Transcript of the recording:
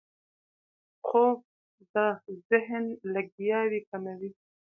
خوب د ذهن لګیاوي کموي